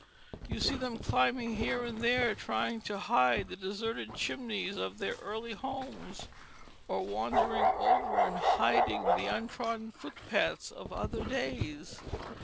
You see them climbing here and there, trying to hide the deserted chimneys of their early homes, or wandering over and hiding the untrodden foot paths of other days.